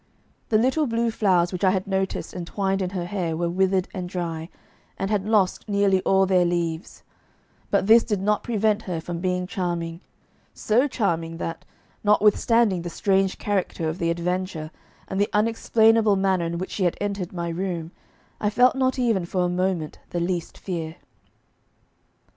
The little blue flowers which I had noticed entwined in her hair were withered and dry, and had lost nearly all their leaves, but this did not prevent her from being charming so charming that, notwithstanding the strange character of the adventure, and the unexplainable manner in which she had entered my room, I felt not even for a moment the least fear.